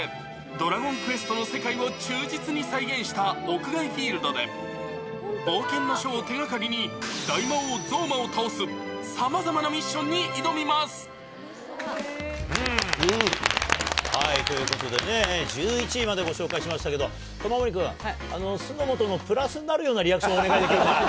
ドラゴンクエストの世界を忠実に再現した屋外フィールドで、冒険の書を手がかりに、大魔王ゾーマを倒す、さまざまなミッショということでね、１１位までご紹介しましたけれども、玉森君、酢の素のプラスになるようなリアクション、お願いできるかな。